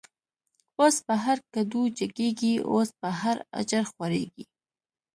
اوس په هر کډو جگیږی، اوس په هر”اجړ” خوریږی